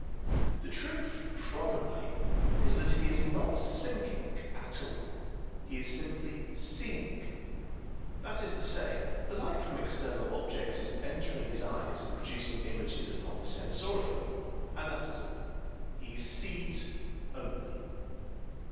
The truth probably is that he is not thinking at all; he is simply seeing that is to say, the light from external objects is entering his eyes and producing images upon his sensorium, and that is all. He sees only.